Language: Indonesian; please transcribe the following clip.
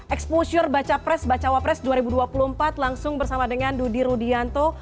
exposure baca pres bacawa pres dua ribu dua puluh empat langsung bersama dengan dudi rudianto